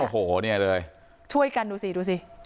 โอ้โหเนี่ยเลยช่วยกันดูสิดูสิ